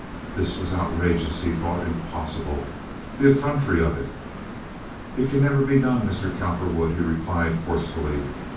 This was outrageous, he thought, impossible! The effrontery of it! "It can never be done, Mr. Cowperwood," he replied, forcefully.